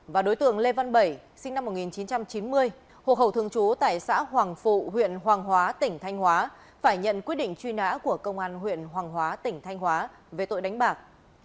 và đối tượng lê văn bảy sinh năm một nghìn chín trăm chín mươi hồ khẩu thường trú tại xã hoàng phụ huyện hoàng hóa tỉnh thanh hóa phải nhận quyết định truy nã của công an huyện hoàng hóa tỉnh thanh hóa về tội đánh bạc